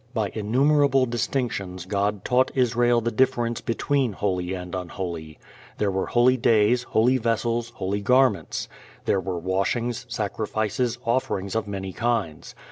By innumerable distinctions God taught Israel the difference between holy and unholy. There were holy days, holy vessels, holy garments. There were washings, sacrifices, offerings of many kinds.